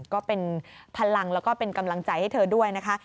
ก็เป็นพลังแล้วก็เป็นกำลังใจให้เธอด้วยนะคะ